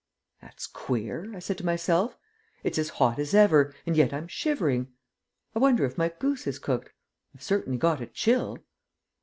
"That's queer," I said to myself. "It's as hot as ever, and yet I'm shivering. I wonder if my goose is cooked? I've certainly got a chill."